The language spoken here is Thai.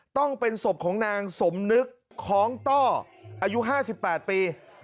ต้องเป็นศพของนางสมนึกคล้องต้ออายุ๕๘ปี